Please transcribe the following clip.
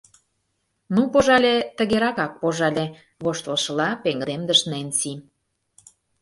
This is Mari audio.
— Ну, пожале, тыгеракак, пожале, — воштылшыла пеҥгыдемдыш Ненси.